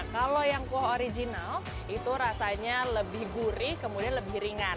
kalau yang kuah original itu rasanya lebih gurih kemudian lebih ringan